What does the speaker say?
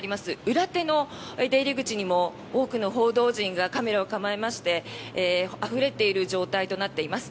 裏手の出入り口にも多くの報道陣がカメラを構えましてあふれている状態となっています。